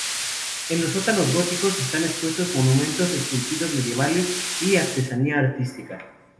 En los sótanos góticos están expuestos monumentos esculpidos medievales y artesanía artística.